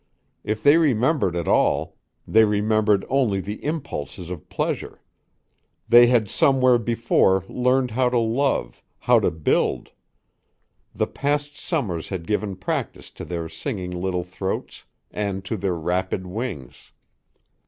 If they remembered at all, they remembered only the impulses of pleasure; they had somewhere before learned how to love, how to build; the past summers had given practice to their singing little throats and to their rapid wings.